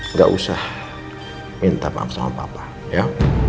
nggak usah minta maaf sama papa ya